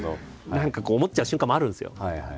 何か思っちゃう瞬間もあるんですよ。